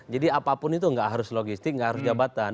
jadi apapun itu nggak harus logistik nggak harus jabatan